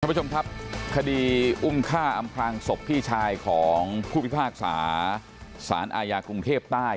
ผู้ชมครับคดีอุ้มฆ่าอำพลางศพพี่ชายของผู้พิพากษาสารอาญากรุงเทพใต้